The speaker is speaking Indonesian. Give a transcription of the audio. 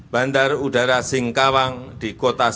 bandar udara singkawang di kota semarang